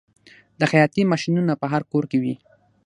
د خیاطۍ ماشینونه په هر کور کې وي